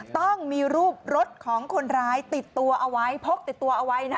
ต้องมีรูปรถของคนร้ายติดตัวเอาไว้พกติดตัวเอาไว้นะ